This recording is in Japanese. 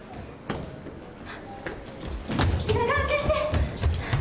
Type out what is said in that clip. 皆川先生！